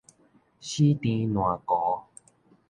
死纏爛糊